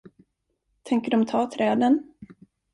Tänker de ta träden?